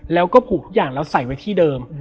แล้วสักครั้งหนึ่งเขารู้สึกอึดอัดที่หน้าอก